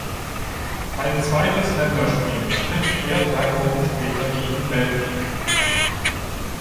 Ein zweites Länderspiel bestritt er drei Wochen später gegen Belgien.